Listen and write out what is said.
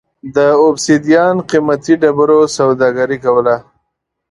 د اوبسیدیان قېمتي ډبرو سوداګري کوله.